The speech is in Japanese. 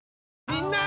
みんな！